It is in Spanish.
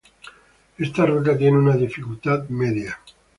Esta ruta tiene una dificultad media.